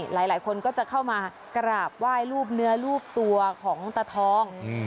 หลายคนก็จะเข้ามากราบไหว้รูปเนื้อรูปตัวของตาทอง